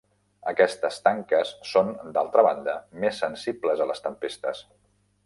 Aquestes tanques són d'altra banda més sensibles a les tempestes.